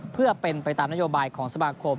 เพื่อเป็นไปตามนโยบายของสมาคม